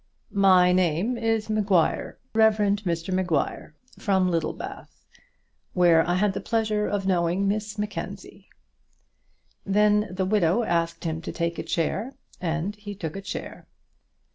"My name is Maguire, the Rev. Mr Maguire, from Littlebath, where I had the pleasure of knowing Miss Mackenzie." Then the widow asked him to take a chair, and he took a chair.